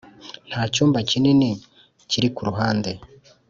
nta cyumba kinini kiri kuruhande